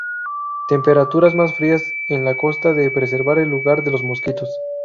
Temperaturas más frías en la costa de preservar el lugar de los mosquitos.